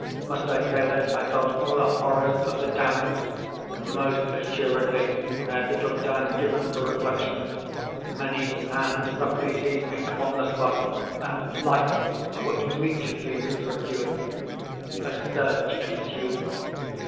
Must I say that I felt all the horrors of the damned? Most assuredly I had little time given for reflection. Many hands roughly seized me upon the spot, and lights were immediately reprocured. A search ensued.